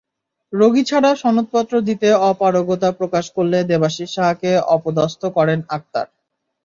রোগী ছাড়া সনদপত্র দিতে অপারগতা প্রকাশ করলে দেবাশীষ সাহাকে অপদস্থ করেন আক্তার।